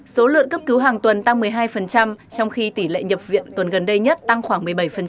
số lượng cấp cứu hàng tuần tăng một mươi hai trong khi tỷ lệ nhập viện tuần gần đây nhất tăng khoảng một mươi bảy